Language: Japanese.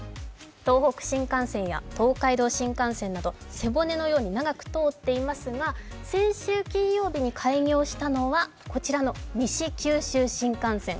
東北新幹線や東海道新幹線など背骨のように長く通っていますが、先週金曜日に開業したのはこちらの西九州新幹線。